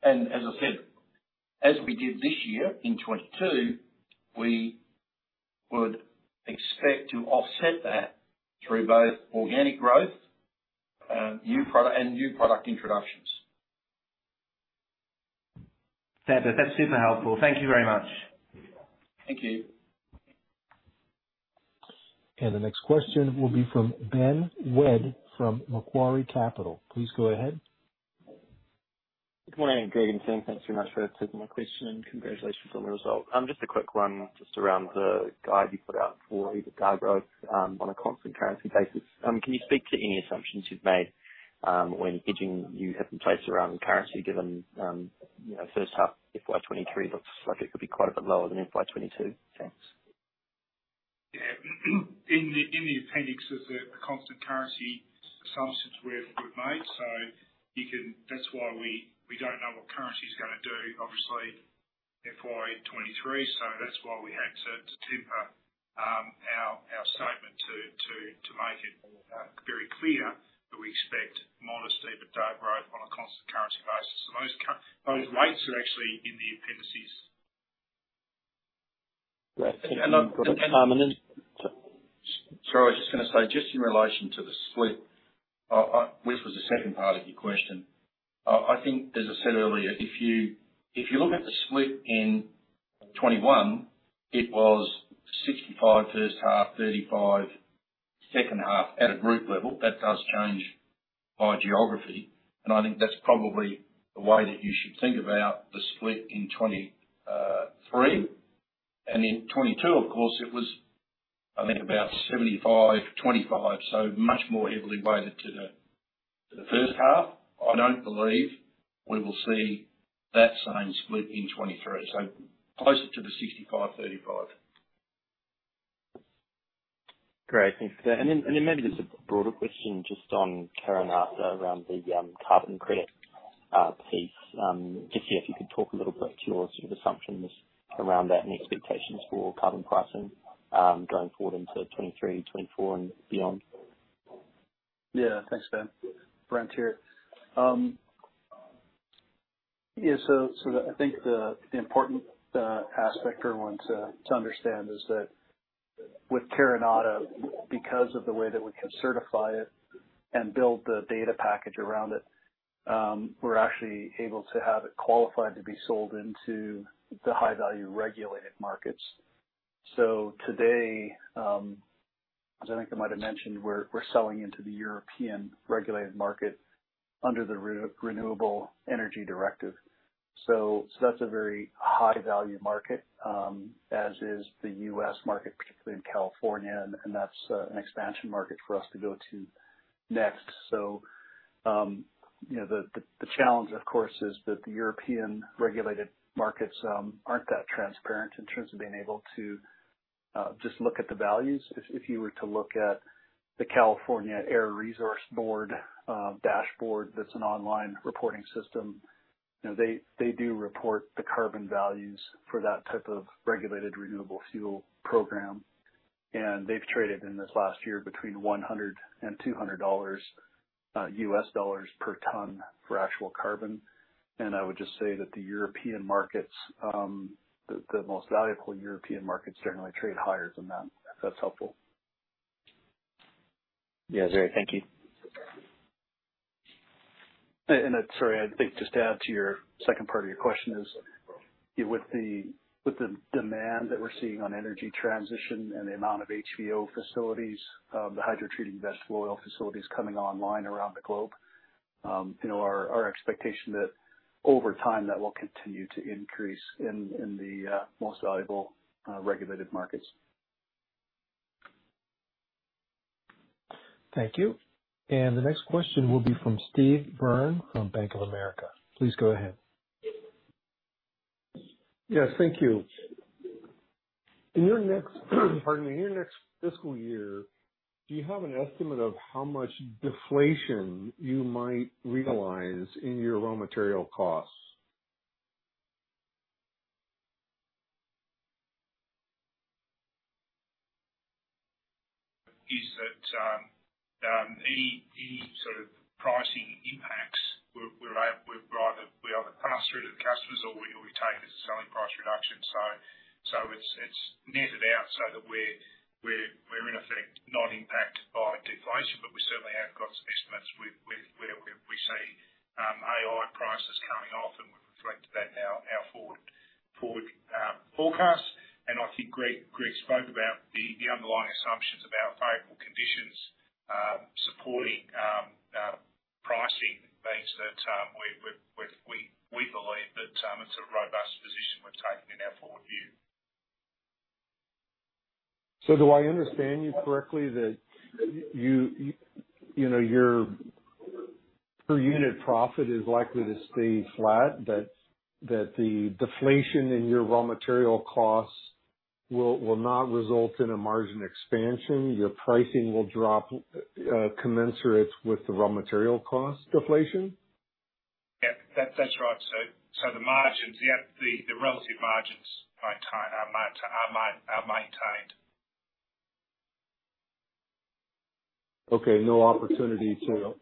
As I said, as we did this year, in 2022, we would expect to offset that through both organic growth, new product, and new product introductions.
Fab. That's super helpful. Thank you very much.
Thank you.
The next question will be from Ben Wedd from Macquarie Capital. Please go ahead.
Good morning, Greg and team. Thanks very much for taking my question, and congratulations on the result. Just a quick one, just around the guide you put out for the top growth, on a constant currency basis. Can you speak to any assumptions you've made, when hedging you have in place around currency given, you know, first half FY 2023 looks like it could be quite a bit lower than FY 2022? Thanks.
In the appendix of the constant currency assumptions we've made, so you can. That's why we don't know what currency is gonna do, obviously, FY 2023. That's why we had to temper our statement to make it very clear that we expect modest but strong growth on a constant currency basis. Those rates are actually in the appendices.
Great. Thank you.
Sorry, I was just gonna say, just in relation to the split, which was the second part of your question. I think as I said earlier, if you look at the split in 2021, it was 65/35 at a group level. That does change by geography. I think that's probably the way that you should think about the split in 2023. In 2022, of course, it was, I think about 75/25, so much more heavily weighted to the first half. I don't believe we will see that same split in 2023, so closer to the 65/35.
Great. Thanks for that. Maybe just a broader question just on Carinata around the carbon credit piece. Just see if you could talk a little bit to your sort of assumptions around that and expectations for carbon pricing going forward into 2023, 2024, and beyond.
Yeah. Thanks, Ben. Brent here. Yeah, so I think the important aspect everyone to understand is that with Carinata, because of the way that we can certify it and build the data package around it, we're actually able to have it qualified to be sold into the high value regulated markets. Today, as I think I might have mentioned, we're selling into the European regulated market under the Renewable Energy Directive. That's a very high value market, as is the U.S. market, particularly in California, and that's an expansion market for us to go to next. You know, the challenge of course is that the European regulated markets aren't that transparent in terms of being able to Just look at the values. If you were to look at the California Air Resources Board dashboard, that's an online reporting system, you know, they do report the carbon values for that type of regulated renewable fuel program. They've traded in this last year between $100-$200 US dollars per ton for actual carbon. I would just say that the European markets, the most valuable European markets certainly trade higher than that, if that's helpful.
Yeah, great. Thank you.
Sorry, I think just to add to your second part of your question is, with the demand that we're seeing on energy transition and the amount of HVO facilities, the hydrotreated vegetable oil facilities coming online around the globe, you know, our expectation that over time, that will continue to increase in the most valuable regulated markets.
Thank you. The next question will be from Steve Byrne from Bank of America. Please go ahead.
Yes, thank you. In your next fiscal year, do you have an estimate of how much deflation you might realize in your raw material costs?
Is there any sort of pricing impacts? We either pass through to the customers or we take it as a selling price reduction. So it's netted out so that we're in effect not impacted by deflation, but we certainly have got some estimates with where we see AI prices coming off, and we reflect that in our forward forecasts. I think Greg spoke about the underlying assumptions about favorable conditions supporting pricing, means that we believe that it's a robust position we've taken in our forward view.
Do I understand you correctly that you know, your per unit profit is likely to stay flat, but that the deflation in your raw material costs will not result in a margin expansion? Your pricing will drop, commensurate with the raw material cost deflation?
Yeah. That's right. The margins, yeah, the relative margins are maintained.
Okay. No opportunity to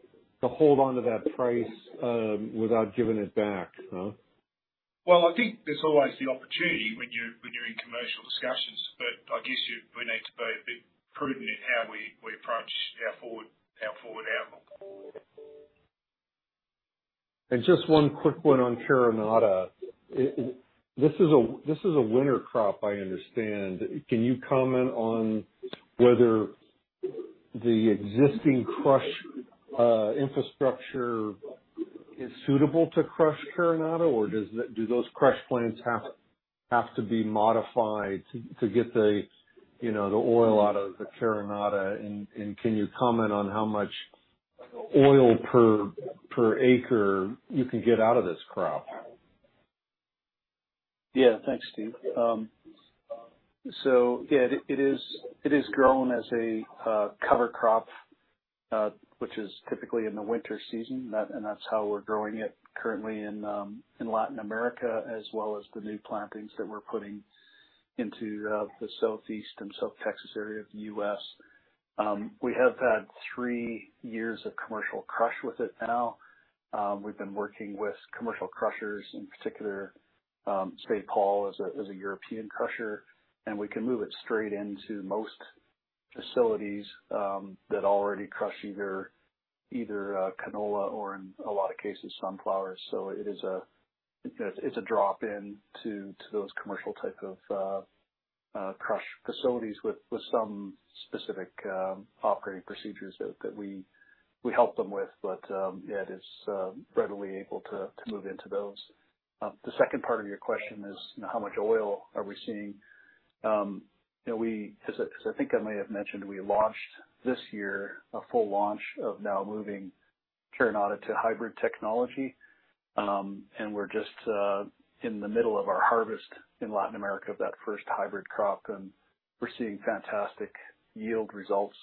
hold on to that price, without giving it back, huh?
Well, I think there's always the opportunity when you're in commercial discussions, but I guess we need to be a bit prudent in how we approach our forward outlook.
Just one quick one on Carinata. This is a winter crop, I understand. Can you comment on whether the existing crush infrastructure is suitable to crush Carinata, or do those crush plants have to be modified to get the oil out of the Carinata? Can you comment on how much oil per acre you can get out of this crop?
Yeah. Thanks, Steve. It is grown as a cover crop, which is typically in the winter season. That's how we're growing it currently in Latin America, as well as the new plantings that we're putting into the Southeast and South Texas area of the U.S. We have had three years of commercial crush with it now. We've been working with commercial crushers, in particular, Saipol is a European crusher, and we can move it straight into most facilities that already crush either canola or, in a lot of cases, sunflowers. It is a drop-in to those commercial type of crush facilities with some specific operating procedures that we help them with. Yeah, it is readily able to move into those. The second part of your question is, how much oil are we seeing? You know, as I think I may have mentioned, we launched this year a full launch of now moving Carinata to hybrid technology. We're just in the middle of our harvest in Latin America of that first hybrid crop, and we're seeing fantastic yield results.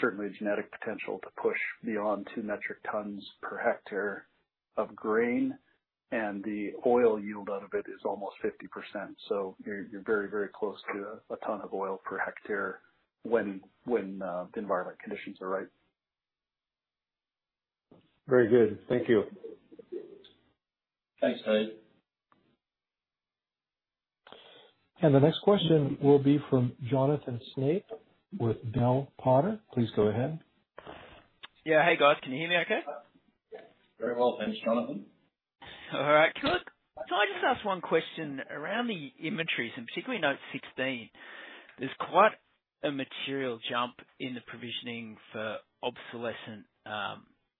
Certainly genetic potential to push beyond two metric tons per hectare of grain. The oil yield out of it is almost 50%. You're very, very close to 1 ton of oil per hectare when the environment conditions are right.
Very good. Thank you.
Thanks, Steve.
The next question will be from Jonathan Snape with Bell Potter. Please go ahead.
Yeah. Hey, guys. Can you hear me okay?
Very well. Thanks, Jonathan.
All right. Can I just ask one question around the inventories and particularly note 16? There's quite a material jump in the provisioning for obsolescent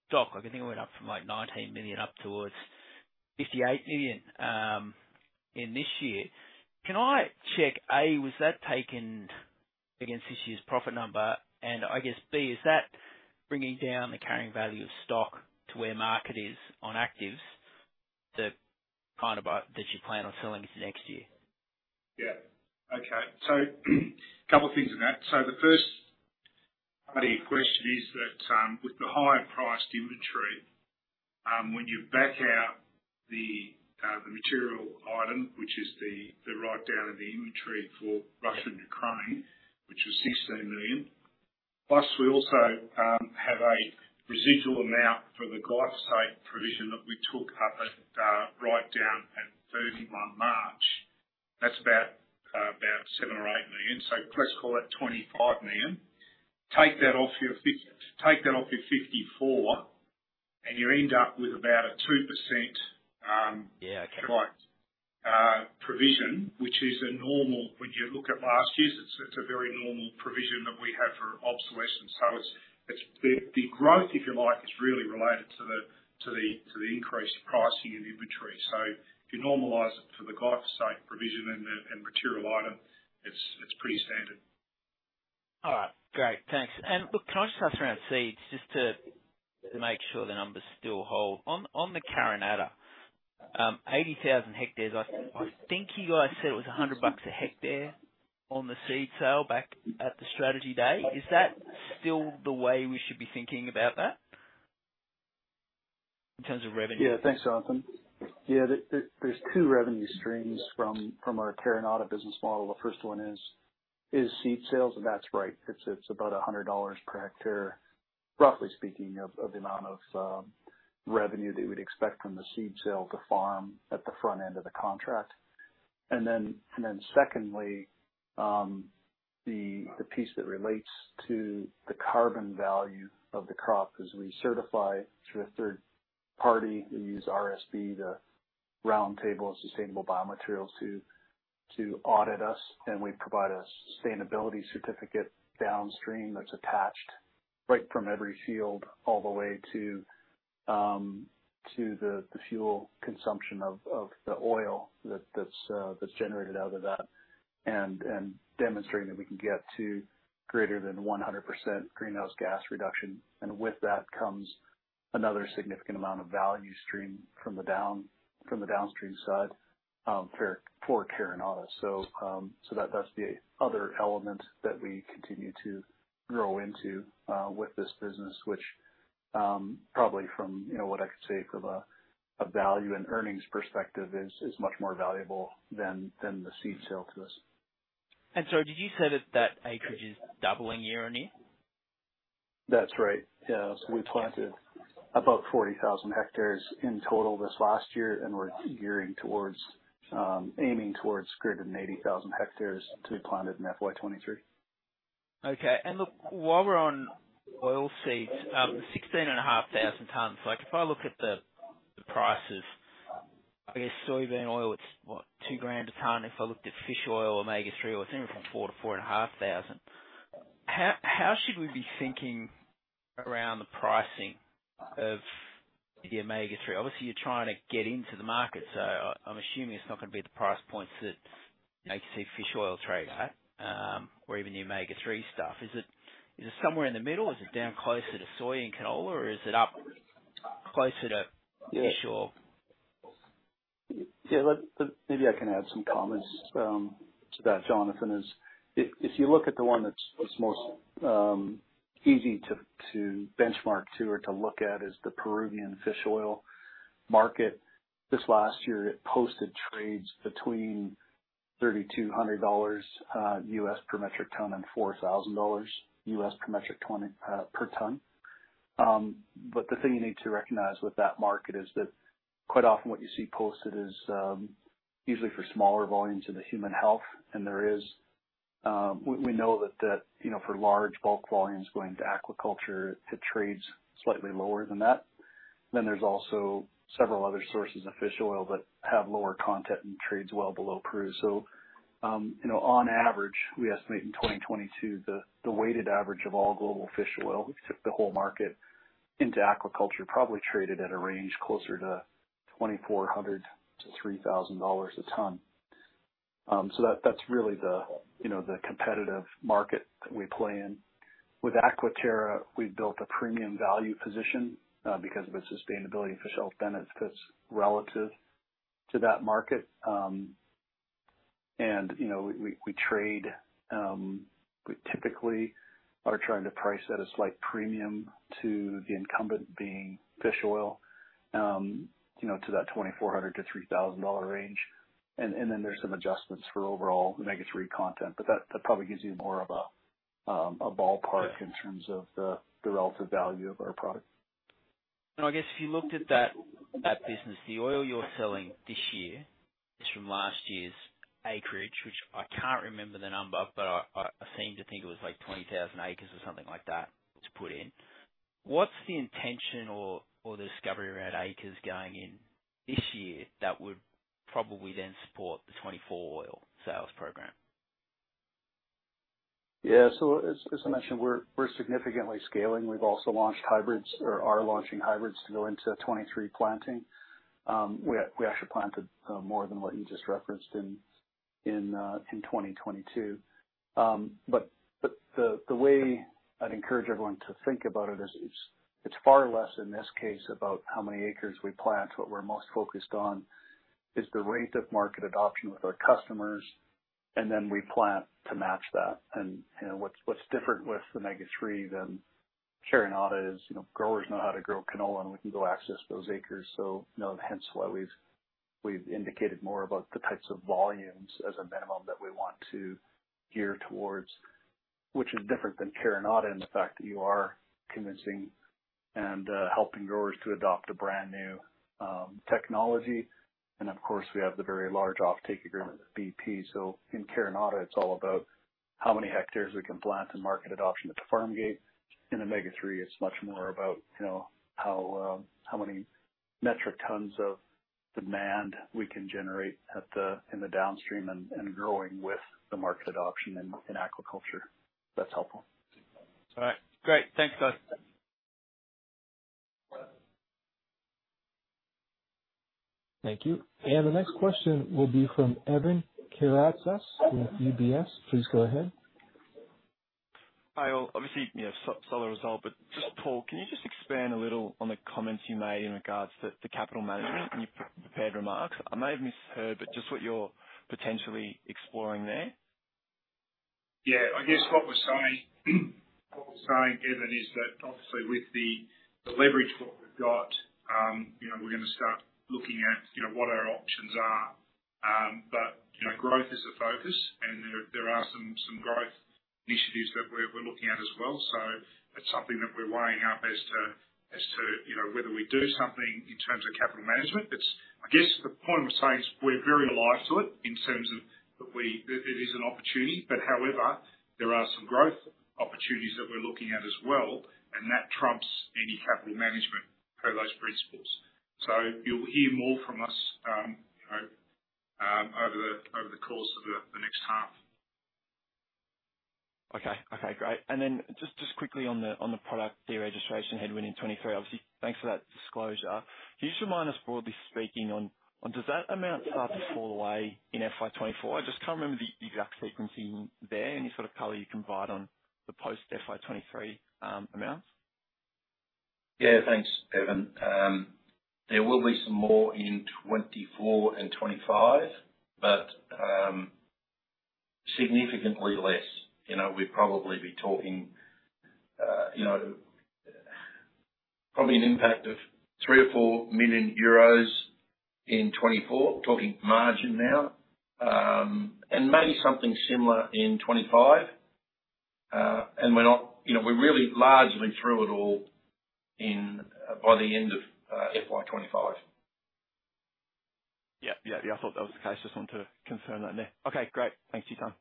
stock. I think it went up from like 19 million up towards 58 million in this year. Can I check, A, was that taken against this year's profit number? I guess, B, is that bringing down the carrying value of stock to where the market is on actives? The kind that you plan on selling for next year.
Yeah. Okay. Couple things in that. The first part of your question is that, with the higher priced inventory, when you back out the material item, which is the write down of the inventory for Russia and Ukraine, which was 16 million, plus we also have a residual amount for the glyphosate provision that we took up at write down at 31 March. That's about 7 million or 8 million. Let's call it 25 million. Take that off your 54 and you end up with about a 2%. Provision, which is a normal. When you look at last year's, it's a very normal provision that we have for obsolescence. It's the growth, if you like, is really related to the increased pricing and inventory. If you normalize it for the glyphosate provision and material item, it's pretty standard.
All right. Great. Thanks. Look, can I just ask around seeds, just to make sure the numbers still hold. On the Carinata, 80,000 hectares, I think you guys said it was 100 bucks a hectare on the seed sale back at the strategy day. Is that still the way we should be thinking about that in terms of revenue?
Yeah. Thanks, Jonathan. There are two revenue streams from our Carinata business model. The first one is seed sales, and that's right. It's about 100 dollars per hectare, roughly speaking, of the amount of revenue that we'd expect from the seed sale to farmers at the front end of the contract. Then secondly, the piece that relates to the carbon value of the crop as we certify through a third party. We use RSB, the Roundtable on Sustainable Biomaterials to audit us, and we provide a sustainability certificate downstream that's attached right from every field all the way to the fuel consumption of the oil that's generated out of that. Demonstrating that we can get to greater than 100% greenhouse gas reduction. With that comes another significant amount of value stream from the downstream side for Carinata. That's the other element that we continue to grow into with this business, which probably from you know what I could say from a value and earnings perspective is much more valuable than the seed sale to us.
Did you say that acreage is doubling year-on-year?
That's right. Yeah. We planted about 40,000 hectares in total this last year, and we're gearing towards aiming towards greater than 80,000 hectares to be planted in FY 2023.
Okay. Look, while we're on oil seeds, 16,500 tons. Like if I look at the price of, I guess, soybean oil, it's what? $2,000 a ton. If I looked at fish oil, omega-3 oil, it's anywhere from $4,000-$4,500. How should we be thinking around the pricing of the omega-3? Obviously, you're trying to get into the market, so I'm assuming it's not gonna be the price points that, you know, you see fish oil trade at, or even the omega-3 stuff. Is it somewhere in the middle? Is it down closer to soy and canola, or is it up closer to fish oil?
Yeah. Maybe I can add some comments to that, Jonathan. If you look at the one that's most easy to benchmark to or to look at is the Peruvian fish oil market. This last year it posted trades between $3,200 US per metric ton and $4,000 US per metric ton. But the thing you need to recognize with that market is that quite often what you see posted is usually for smaller volumes in the human health. We know that, you know, for large bulk volumes going to aquaculture, it trades slightly lower than that. Then there's also several other sources of fish oil that have lower content and trades well below Peru. You know, on average, we estimate in 2022, the weighted average of all global fish oil, if you took the whole market into aquaculture, probably traded at a range closer to $2,400-$3,000 a ton. That really the competitive market that we play in. With Aquaterra, we've built a premium value position because of the sustainability of fish oil benefits relative to that market. You know, we trade. We typically are trying to price at a slight premium to the incumbent being fish oil, you know, to that $2,400-$3,000 range. Then there's some adjustments for overall omega-3 content, but that probably gives you more of a ballpark in terms of the relative value of our product.
I guess if you looked at that business, the oil you're selling this year is from last year's acreage, which I can't remember the number, but I seem to think it was like 20,000 acres or something like that to put in. What's the intention or the discovery around acres going in this year that would probably then support the 2024 oil sales program?
As I mentioned, we're significantly scaling. We've also launched hybrids or are launching hybrids to go into 2023 planting. We actually planted more than what you just referenced in 2022. The way I'd encourage everyone to think about it is it's far less in this case about how many acres we plant. What we're most focused on is the rate of market adoption with our customers, and then we plant to match that. What's different with Omega-3 than Carinata is growers know how to grow canola, and we can go access those acres. You know, hence why we've indicated more about the types of volumes as a minimum that we want to gear towards, which is different than Carinata in the fact that you are convincing and helping growers to adopt a brand-new technology. Of course, we have the very large offtake agreement with BP. In Carinata, it's all about how many hectares we can plant and market adoption at the farm gate. In Omega-3, it's much more about, you know, how many metric tons of demand we can generate at the in the downstream and growing with the market adoption in aquaculture. If that's helpful.
All right. Great. Thanks, Brent.
Thank you. The next question will be from Evan Karatzas with UBS. Please go ahead.
Hi, all. Obviously, you know, so solid result. Just, Paul, can you just expand a little on the comments you made in regards to the capital management in your prepared remarks? I may have misheard, but just what you're potentially exploring there.
Yeah. I guess what we're saying, Evan, is that obviously with the leverage we've got, you know, we're gonna start looking at, you know, what our options are. But you know, growth is a focus, and there are some growth initiatives that we're looking at as well. That's something that we're weighing up as to, you know, whether we do something in terms of capital management. It's I guess the point we're saying is we're very alive to it in terms of that it is an opportunity. But however, there are some growth opportunities that we're looking at as well, and that trumps any capital management per those principles. You'll hear more from us, you know, over the course of the next half.
Okay, great. Just quickly on the product deregistration headwind in 2023, obviously, thanks for that disclosure. Can you just remind us, broadly speaking, on does that amount start to fall away in FY 2024? I just can't remember the exact sequencing there. Any sort of color you can provide on the post-FY 2023 amounts?
Yeah. Thanks, Evan. There will be some more in 2024 and 2025, but significantly less. You know, we'd probably be talking, you know, probably an impact of 3-4 million euros in 2024. Talking margin now. And maybe something similar in 2025. You know, we're really largely through it all by the end of FY 2025.
Yeah, I thought that was the case. Just wanted to confirm that there. Okay, great. Thanks for your time.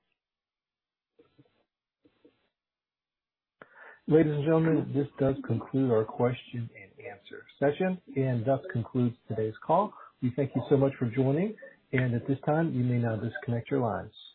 Ladies and gentlemen, this does conclude our question and answer session and thus concludes today's call. We thank you so much for joining. At this time, you may now disconnect your lines.